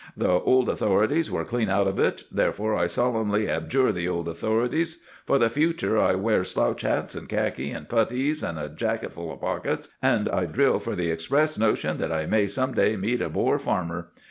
The old authorities were clean out of it. Therefore I solemnly abjure the old authorities. For the future I wear slouch hats and khaki and puttees and a jacket full of pockets, and I drill for the express notion that I may some day meet a Boer farmer.